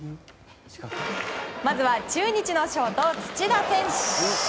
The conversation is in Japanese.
まずは中日のショート、土田選手。